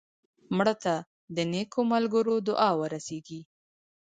مړه ته د نیکو ملګرو دعا ورسېږي